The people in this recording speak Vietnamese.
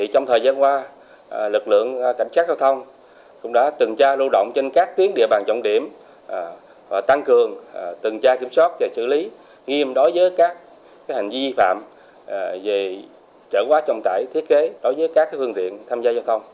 trong thời gian tới lực lượng cảnh sát giao thông